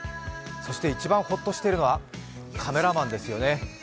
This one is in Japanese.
一番ほっとしているのはカメラマンですよね。